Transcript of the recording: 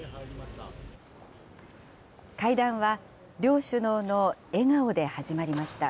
会談は両首脳の笑顔で始まりました。